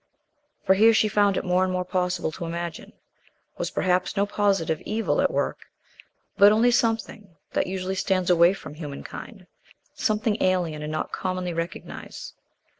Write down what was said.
For here, she found it more and more possible to imagine, was perhaps no positive evil at work, but only something that usually stands away from humankind, something alien and not commonly recognized.